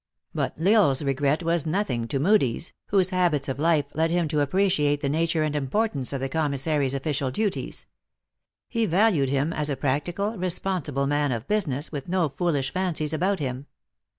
But L Isle s regret was nothing to Moodie s, whose habits of life led him to appreciate the nature and im portance of the commissary s official duties. He val ued him as a practical, responsible man of business, with no foolish fancies about him.